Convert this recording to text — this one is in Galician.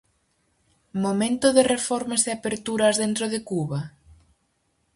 Momento de reformas e aperturas dentro de Cuba?